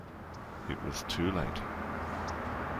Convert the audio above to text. It was too late.